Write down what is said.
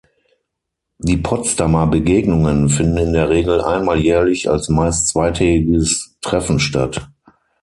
Die Potsdamer Begegnungen finden in der Regel einmal jährlich als meist zweitägiges Treffen statt.